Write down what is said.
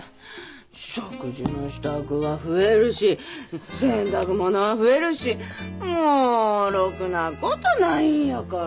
食事の支度は増えるし洗濯物は増えるしもうろくなことないんやから！